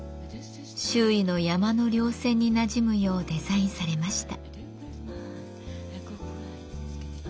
周囲の山の稜線になじむようデザインされました。